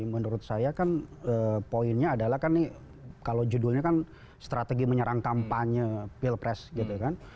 menurut saya kan poinnya adalah kan nih kalau judulnya kan strategi menyerang kampanye pilpres gitu kan